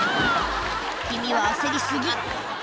君は焦り過ぎ